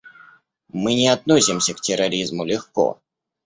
Мы не относимся к терроризму легко.